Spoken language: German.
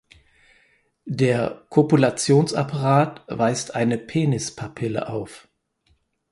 Der Kopulationsapparat weist eine Penispapille auf.